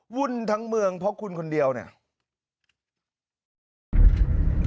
วุ่นทั้งเมืองเพราะคุณคนเดียวเนี่ย